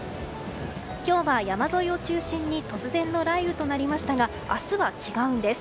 今日は山沿いを中心に突然の雷雨となりましたが明日は違うんです。